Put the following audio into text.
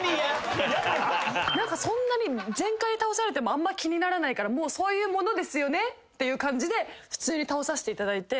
そんなに全開で倒されてもあんま気にならないからそういうものですよねって感じで普通に倒させていただいて。